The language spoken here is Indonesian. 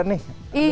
dua dua nih zidane